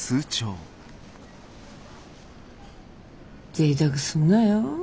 ぜいたくすんなよ。